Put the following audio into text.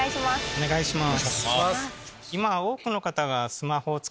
お願いします。